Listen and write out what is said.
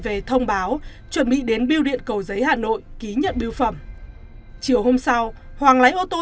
về thông báo chuẩn bị đến biêu điện cầu giấy hà nội ký nhận biêu phẩm chiều hôm sau hoàng lái ô tô